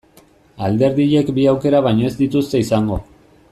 Alderdiek bi aukera baino ez dituzte izango.